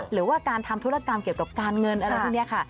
หรือว่าการทำธุรกรรมเกี่ยวกับการเงินอะไรพวกนี้ค่ะ